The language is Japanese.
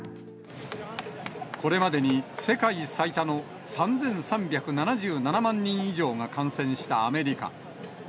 これまでに世界最多の３３７７万人以上が感染したアメリカ。